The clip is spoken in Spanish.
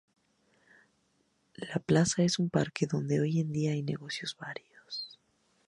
La plaza es un parque donde hoy en día hay negocios varios.